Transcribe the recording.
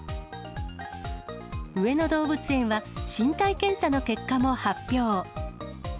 上野動物園は身体検査の結果も発表。